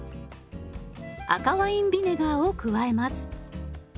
赤ワインビネガーを加えます。